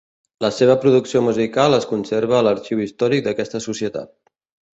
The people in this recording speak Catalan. La seva producció musical es conserva a l'arxiu històric d'aquesta societat.